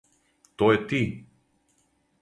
То је ти!